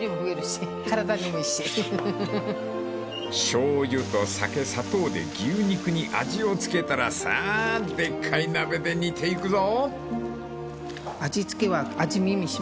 ［しょうゆと酒砂糖で牛肉に味を付けたらさあでっかい鍋で煮ていくぞ］